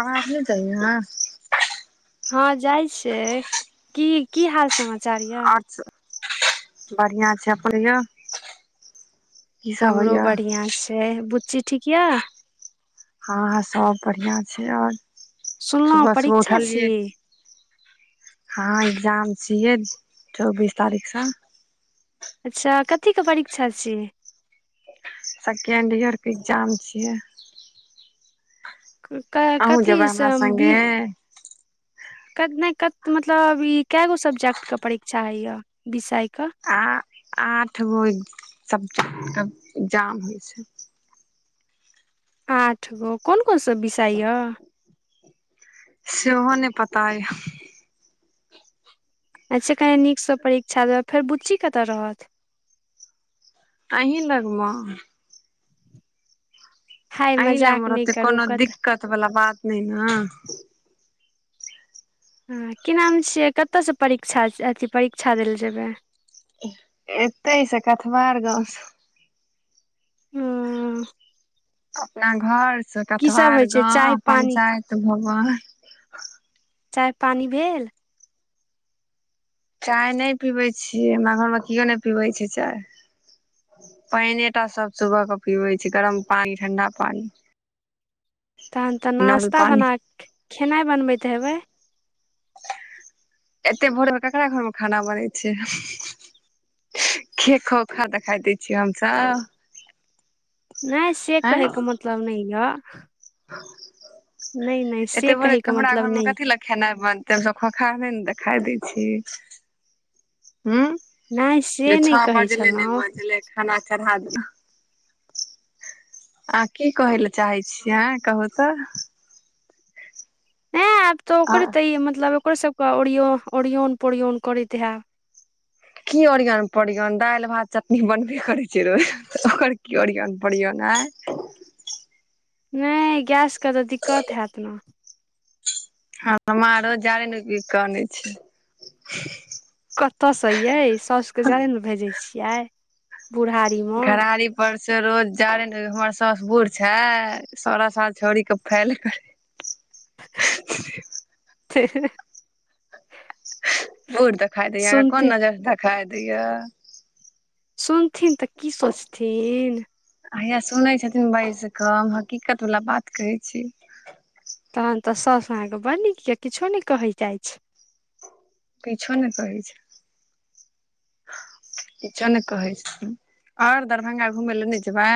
आवाज नहि जाय ह? हँ जाइ छ की, की हाल समचार? आर बढ़िआँ छै ‌अपौ हमरो बढ़िआं छै। बुच्ची ठीक यए? हँ सब बढ़ििया छै आओर सुनलहुँ सुबह सुबह परीक्षा छी उठलियै। हँ एग्जाम छियै चौबीस तारीख से। अच्छा, कथिके परीक्षा छी? सेकेण्ड ईयरके एग्जाम छियै। क अहूँ जेबै कथीसँ हमरा बि संगे कत ने कत मतलब ई के गो सब्जेक्ट के परीक्षा होइ ये विषय के आ आठ गो सब्जेक्ट के एग्जाम होइ छै। आठ गो, कोन कोन सभ विषर ये। सेहो नहि पता अछि। अच्छा कनि नीकसँ परीक्षा देबै, फेर बुच्ची कतय रहत? अहीं लगमे। हाय अहीं लग मजाक मे नहि रहतै, करू कोनो कत दिक्कत वला बात नहि ने? हँ की नाम छियै, कतयसँ परीझा अथि परीक्षा दै ले जेबै। एते से कथवार गांव से। हुं। अपना घर से सब होइ कथवार छै चाय गाँंव पानी पंचायत भवन चाय पानि भेल। चाय नहि पीबै छियै हमरा घरमे केओ नहि पीबै छै चाय। पानिए टा सब सुबह के पिबै छै, गरम पानि ठंडा पानि। तखन तऽ नश्ता पानी बना खेनाइ बनबैत हेबै। एते भोर मे केकरा घर में खाना बनै छै। खै खो खा तऽ खाायते छियै हमसब। नहि से आँय कहैके मतलब नहि ये। से एतेक भोरे कहैके हमरा मतलब घर मै नहि कथि ले खेनाइ बनतै, लोक के खोखाई नै न देखाइ दै छै। हुं नहि जे से नहि छओ कहै बजलै नै छलहुँ बजलै खाना चढ़ा दियौ। अहां की कहै ले चाहै छियै आ कहू तऽ नहि आब तऽ ओकरे तऽ ई मतलब ओकरे सबके ओरियौन ओरियौन पोरियौन करैत हेब। की ओरियन पोरियान, दालि भात चटनी बनबे करै छै रोज, ओकर की ओरियन पोरियन, आंय। नै गैसके तऽ दिक्कत हैत ने हमरा रोज जारैन उघि उघि के अनै छै। कतऽसे यै सासु के जारैन उघै दै छियै? बुढ़ारी मे घरारी पर से रोज जारैन उनके, हमर सासु बूढ़ छैथ? सोलह साल छौड़ी के फैल करै [inaudible] बूढ़ देखाइ दैये, सुनथिन कोन नजरि से देखाइ दैये। सुनथिन तऽ की सोचथिन। हया सुनै छथिन बैसके हम हकीकत वला बात कहै छी। तखन तऽ सास अहाँकेँ बड़ नीक ये किछो नहि कहैत जाइत छै। किछो ने कहै छैथ। [inaudible] किछो नै कहै छथिन, और दरभंगा घूमय ले नै जेबै?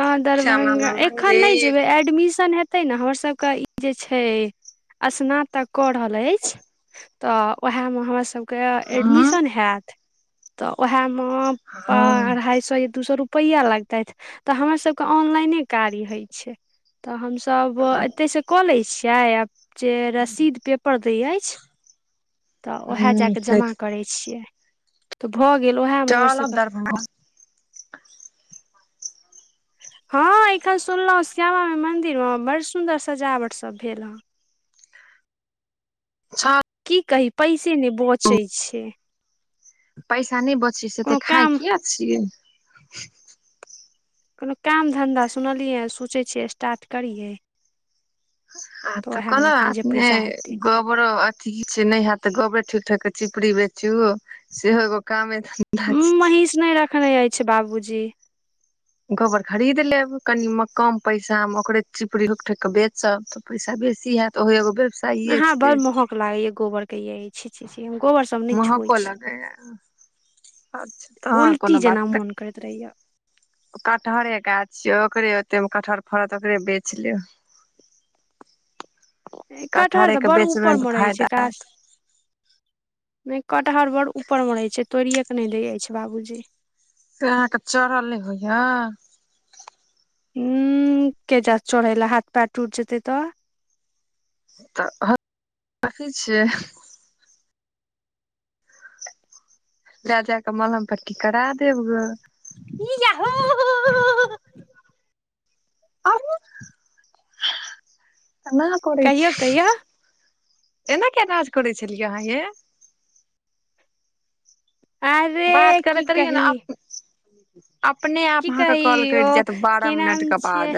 आं, श्यामा दरभंगा, माइ एखन नै मन्दिर जेबै, एडमिशन हेतै तखैन ते ने हमर सबके ई जे छै स्नातक कऽ रहल अछि तऽ वैहमे हमर सभके हँ एडमिशन हैत तऽ वैहमे हँ अढ़ाई सए या दू सए रुपैआ लगतै तऽ हमर सभके ऑनलाइने काज होइ छै तऽ हमसभ एतयसँ कऽ लै छियै आब जे रसीद पेपर दै अछि तऽ ओएह जाकऽ हुं जमा करै छियै तऽ भऽ गेल ओएहमे हमर चलब सभके दरभंगा हँ एखन सुनलहुं श्यामा मई मंदिर मे बड़ सुदर सजावट सब भेल ह छओ [inaudible] की कही पैसे नहि बचै छै पैसा नहि बचै से कोनो एते खाय काम किया छियै कोनो काम धन्धा सुनलियै सोचै छियै स्टार्ट करियै आ तऽ उएहमे कोनो अपन जे अपने पैसा हेतै गोबरो अथी छै ने हैत तऽ गोबरे ठोइक ठाइक के चिपड़ी बेचु सेहो एगो कामे धन्धा उ छै महींष नहि रखने अछि बाबूजी गोबर खरीद लेब कनि म कम पैसा मे ओकरे चिपड़ी लुक ठोकि कऽ बेचब तऽ पैसा बेसी हैत तऽ ओहो एगो बेवसाइए अहाँ बड़ छै महक लागैया गोबर के यै छी छी छी हम गोबर सब नहि छुअइ महको छी लगैया अच्छा तहन उल्टी कोनो बात जेना नहि मोन करैत रहैया कटहरे गाछ य ओकरे ओते मे कटहर फड़त ओकरे बेच लेब कटहर कटहरे तऽ के बड़ बेचबे ऊपर तऽ मे रहै फायदा छै हैत गाछ नहि कटहर बड़ ऊपर मे रहै छै तोड़िये के नहि दइ अछि बाबूजी से अहाँके चढ़ल नहि होइया। ह के जैत चढ़ै लै हाथ पैर टूट जेतै तऽ। तऽ रखी छियै [unintelligible] लए जाकऽ मलहम पट्टी करा देब ग। की जाह [unintelligible] आर [unintelligible] केना करै कहियौ कहियौ छै एना किया नाज करै छलियैया अहाँ यै। आरे बात कि करैत रहियै ने कही। अपने आप की अहाँके कॉल कहि ओ कटि जायत बारह की मिनट नाम के छियै बाद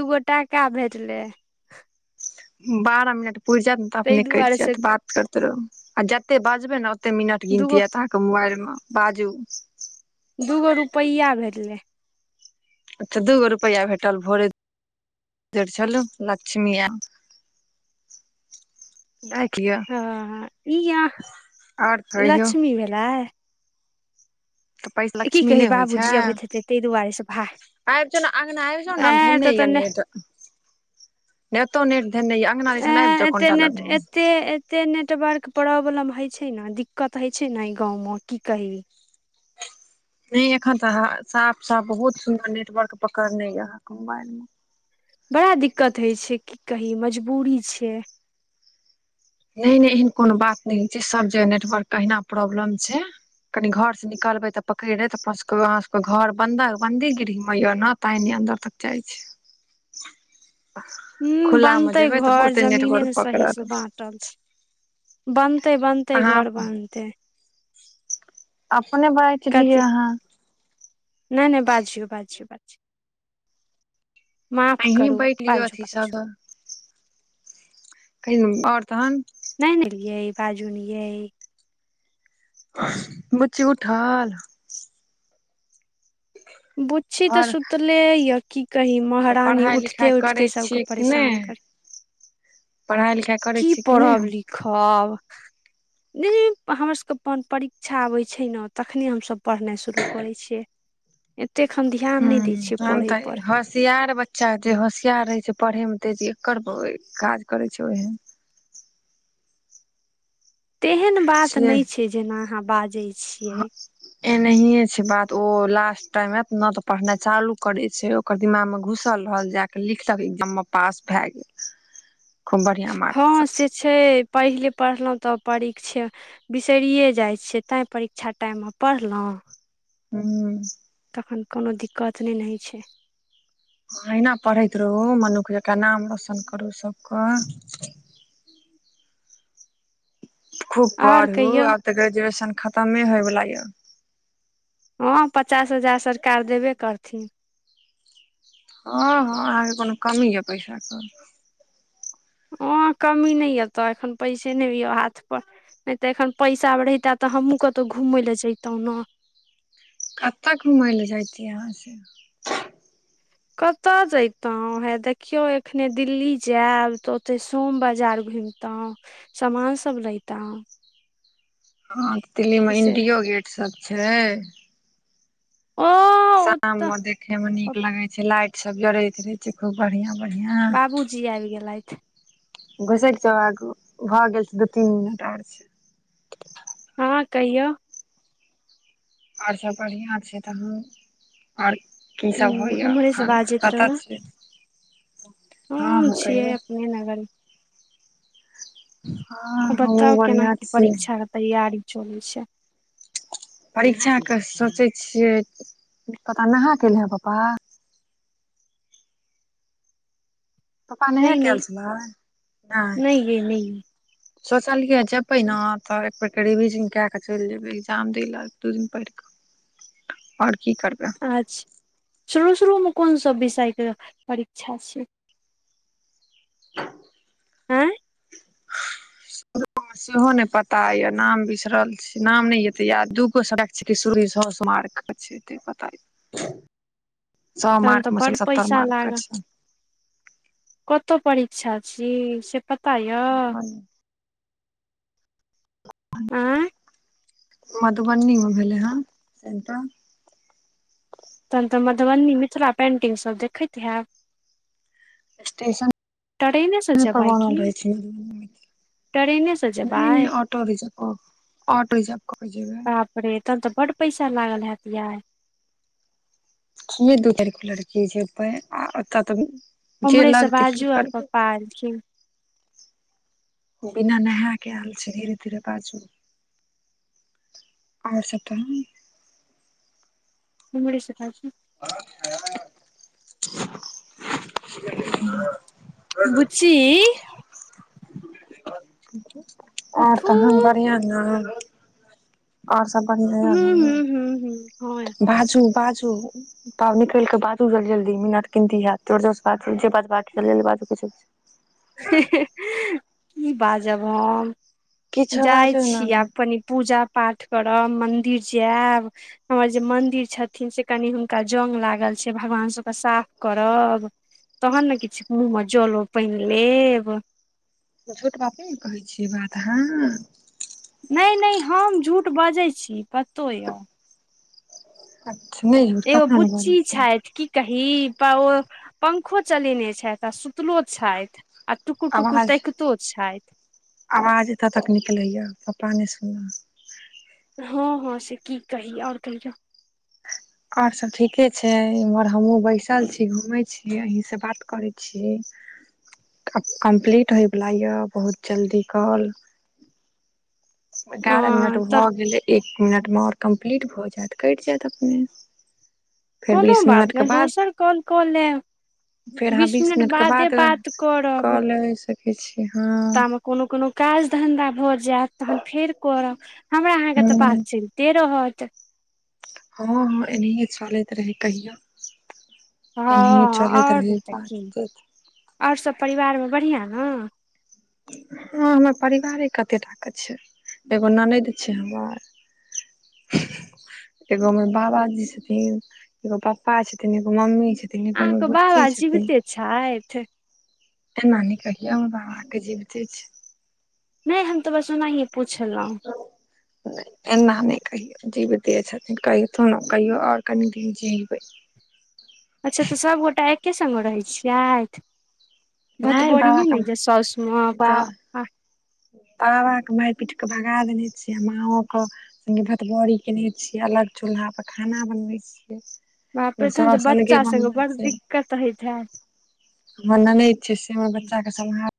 दूगो टाका भेटले। बारह मिनट पुर जायत ने तऽ ताहि अपने कटि दुआरे से जायत बात करते रहू आ जते बजबे ने ओते ओते मिनट गिनती दूगो हैत अहाँके मोबाइल मे बाजू। दूगो रुपैआ भेटलै। अच्छा दूगो रुपैआ भेटल भोरे [unintelligible] छललू लक्ष्मी एल राईख लिय हँ ई अहाँ आओर कहियौ। लक्ष्मी भेलाइ [unintelligible] तऽ पैस लक्ष्मी कही नहि होइ छै। बाबूजी अबैत हेतै ताहि दुआरे से भा आबि जौ ने अंगना आबि जाऊ ने ए तऽ धेनेयान ने तऽ। नहि एतौ नेट धैनेया अंगना ए दिसन आइब जौ एते कोनटा लग। नेट मे एते एते नेटवर्क प्रॉब्लम हय छै ने दिक्कत हय छै ने एहि गाँवम की कही। नहि एखन तऽ साफ साफ बहुत सुन्दर नेटवर्क पकड़ने य आहाँके मोबाइल मे। बड़ा दिक्कत होइ छै की कही मजबूरी छै। नहि नहि एहन कोनो बात नहि छै सब जगह नेटवर्क के अहिना प्रॉब्लम छै। कनी घर से निकलबे तऽ पकड़ लेत अपन सबके आहाँ सबके घर बंदी बन्दी गिरीह में य ने। ताय ने अन्दर तक जाय। हूँ खुला मे बनतै जेबै तऽ घर बहुते जमीने नेटवर्क ने सही पकड़त से बा टल छै बनतै बनतै अहाँ घर बनतै। अपने बाईट लिय कथी अहाँ। नहि- नहि बाजियौ, बाजियौ बाजू, माफ अहीं करू बाटि लियौ बाजू, अथी बाजू। सब कहियो आओर तहन। नय- नय यै, बाजू ने यै। बुच्ची उठल। बु च्ची त घर सुतले य की कही तऽ महारानी पढ़ाइ लिखाइ उठते उठते करै सबके छियै कि परेशान नहि करी ह [inaudible] पढ़ाइ लिखाइ करै छी कि नहि अहाँ। ह, नहि हमर सबके अपन परीक्षा आबै छैय न तखने हमसभ पढ़नाइ शुरू करै छियै एते खन हँ हम त हस होशियार बच्चा हेतै होशियार रहै छैय पढ़यमे तेजीकर काज करै छैय ओहन। तेहन बात नय छैय जेना अहाँ बाजेय छी। एनाहिए छैय बात ओ लास्ट टाइममे अपने तऽ पढ़नाइ चालू करय छैय। ओकर दिमागमे घुसल रहल जाय के लिखलक एग्जाममे पास भय गेल। खूब बढ़ियां मार्क हँ सँ से छैय पहिले पढ़लहुँ त परीक्षे बिसरिए जाइ छियै तै परीक्षा टाइममे पढ़लहुँ। हू। तखन कोनो दिक्कत नहि ने होइ छैय। अहिना पढ़ैत रहू मनुख जका नाम रोशन करू सबके। खूब आओर पढ़ू कहियौ आब तऽ ग्रेजुएशन खतमे होयवला य। हँ पचास हजार सरकार देबे करथिन। हँ- हँ अहाँके कोनो कमी यऽ पैसाके। ओ कमी नहि य तऽ एखन पैसे नहि य हाथ पर नहि त एखन पैसा रहिता त हमहूँ कतहु घूमय लए जैतो न। कतय घुमय लए जायतियै अहाँसे। कतय जैतहुँ हे देखियौ एखने दिल्ली जायब त ओतय सोम बाजार घुमि तहुँ सामान सब लइतौं। ह दिल्लीमे से इंडियो गेट सब छैय। ओ ओतऽ शाममे देखेमे नीक लगय छैय लाइट सब जरैत रहय छैय खूब बढ़िआँ- बढ़िआँ। बाबूजी आबि गेलथि घुसैक जौ आगु भए गेल छैय दू तीन मिनट आर छैय। अहाँ कहियौ। आओर सभ बढ़िआँ छै तहन। आओर की ह सभ होइए उम्हरे से एखन बाजैत कतय रहू छी। हँ हम हँ छियै कहियौ अपने नगरमे। हँ बताउ हमहुँ केना बढ़िया की छी परीक्षा के तैयारी चलैय छैय।। परीक्षाके सोचे छियै, पपा नहा के एलाए पापा। पप्पा नहा के आयल नय-नय, छलै नई यई, नई यई। सोचलियए जेबै ने त एकबेर रिविजन कए कऽ चलि जेबै एग्जाम दै लए दू दिन पइढऽ क। आओर की करबै। अच्छा शुरू-शुरूमे कोन सब विषयके परीक्षा छैय। [inaudible] आँय। सेहो ने पता ये नाम बिसरल छी, नाम ने हेते याद, दूगो सब्जेक्ट छ सुरमार् के छै। पता नई सो तहन तऽ मार्क मे से सत्तर मार्क के छै। कतय परीक्षा छी से पता यए? आ आँय [unintelligible] मधुबनी मे भेलै हेँ सेंटर। तखन तऽ मधुबनी मिथिला पेंटिंग सभ देखैत हैब। स्टेशन ट्रेने से जेबै बनल की रहै छै, ट्रेने से नै -नै। जेबै ऑटो रिजर्व ऑटो रिजर्व कऽ के जेवई। बाप रे तब तऽ बड पैसा लागल हैत यार। ह दू चारि गो लड़की जेबै, आ ओत तऽ जे लग तऽ की करबै। पा एलखिन। [unintelligible] बिना नेहा के एल छैलिये धीरे बाजू। आर सब तहन। उम्हरे से बाजू। हूँ। [unintelligible] बुच्ची। और उठू तहन बढ़िआँ न। और सब बढ़िआँ हूं य न हूं हूं हूं हँ बाजू - बाजू। तब निकलि कऽ बाजू जल्दी - जल्दी मिनट किमती हयैत, जोर -जोर से बाजू, जे बाजबाक जल्दी- जल्दी बाजू किछो। की बाजब हम। किछो जाइ बाजू ने छी आब कनि पूजा पाठ करब, मन्दिर जायब। हमर जे मन्दिर छथिन, से कनि हुनका जंग लागल छै, भगवान सभकेँ साफ करब। तहन ने किछु मुँह मे जलो- पाइन लेब। झूठ बात नैने कहै छियै बात अहाँ। नै- नै हम झूठ बजैत छी, पतो यए। । [unintelligible] एगो बुच्ची छैथ। कही प ओ पंखो चलेने छथि आ सुतलो छैथ। आ टुकुर - टुकुर आवाज तैकतो छैथ। आवाज एतऽ तक निकलैए पप्पा नहि सुनऽ। हँ - हँ से की कहि, और कहियौ। और सब ठीके छै, इम्हर हमहुं बैसल छी घूमे छी अहीं से बात करे छी। छी आब कम्प्लीट होइवला यऽ बहुत जल्दी काॅल। एगारह मिनट ह तऽ भऽ गेलै, एक मिनट मे और कम्प्लीट भऽ जायत, कटि जायत अपने। फेर कोनो बीस बात मिनट के नै, बाद दोसर कॉल कऽ लेब। बीस मिनट बादे बात करब। ठीके छी हँ। तामे कोनो - कोनो काज धंधा भऽ जायत तहन फेर करब, हमरा अहाँके तऽ बात हँ चल चलिते रहत। हँ हमर एनाहियए चलैत रहै कहियौ। हँ और नै तऽ की, बातचीत आओर सब परिवार में बढ़िआँ न। हँ हमर परिवारे कते टाके छै, एगो ननैद छै हमर एगो हमर बाबाजी छथिन, एगो पप्पा छथिन, एगो मम्मी छ। एगो हमर बुच्ची छथिन। छैथ। एना नै कहियो बाबा ते जीवते छैय। नै हम तऽ बस ओनाहीए पुछलौ। नै एना नै कहियौ जिबिते छथिन कहिथुन कहियौ और कनि दिन जिबै। अच्छा तऽ सबगोटा एके संग मे रहै छियैथ। नहि भतबरीए बाबा नै ने के जे साउस मअ बाह अपन। बाबा के मैर पीट कऽ भगा देने छियै आ माओे कऽ। संगे भतबरी कयने छियै अलग चूल्हापर खाना बनबै छियै। बाप रे हमर तहन तऽ साउस अलगे बच्चा सब के बनबै बड़ छै दिक्कत होइत हेएत। हमर ननैद छै से हमर बच्चाके सम्हार।